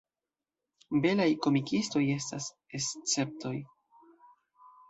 Belaj komikistoj estas esceptoj.